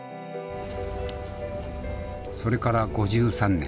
それから５３年。